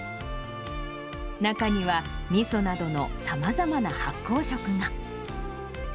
中には、みそなどのさまざまな発酵食が。